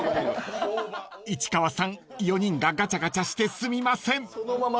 ［市川さん４人がガチャガチャしてすみません］